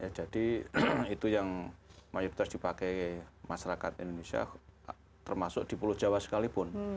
ya jadi itu yang mayoritas dipakai masyarakat indonesia termasuk di pulau jawa sekalipun